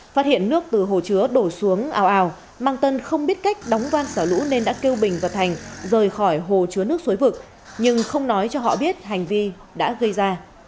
phát hiện nước từ hồ chứa đổ xuống ao mang tân không biết cách đóng van xả lũ nên đã kêu bình và thành rời khỏi hồ chứa nước suối vực nhưng không nói cho họ biết hành vi đã gây ra